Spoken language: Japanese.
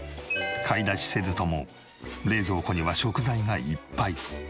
買い出しせずとも冷蔵庫には食材がいっぱい。